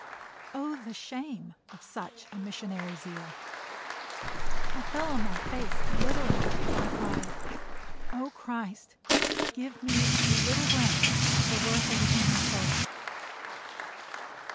O, the shame of such missionary zeal! I fell on my face literally, as I cried, "O Christ, give me a little glimpse of the worth of a human soul!"